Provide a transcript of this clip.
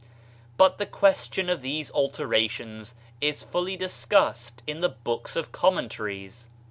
But the question of these alterations is fully discussed in the books of commentaries.